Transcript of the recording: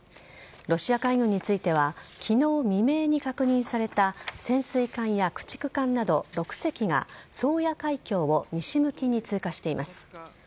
ロシア海軍については、きのう未明に確認された潜水艦や駆逐艦など６隻が、宗谷海峡を西向きに通過しています。